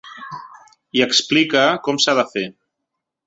I explica com s’ha de fer.